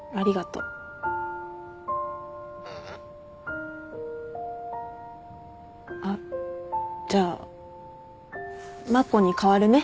ううん。あっじゃあ真子に代わるね。